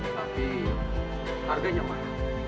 tapi harganya mahal